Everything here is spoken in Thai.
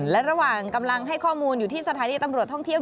และระหว่างกำลังให้ข้อมูลอยู่ที่สถานีตำรวจท่องเที่ยว